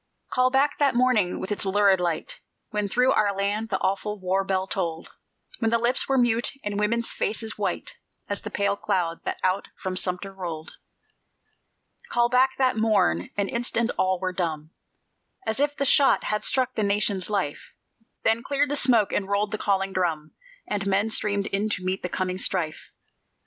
Call back that morning, with its lurid light, When through our land the awful war bell tolled; When lips were mute, and women's faces white As the pale cloud that out from Sumter rolled. Call back that morn: an instant all were dumb, As if the shot had struck the Nation's life; Then cleared the smoke, and rolled the calling drum, And men streamed in to meet the coming strife.